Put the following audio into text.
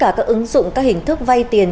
tất cả các ứng dụng các hình thức vay tiền